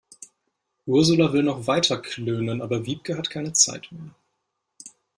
Ursula will noch weiter klönen, aber Wiebke hat keine Zeit mehr.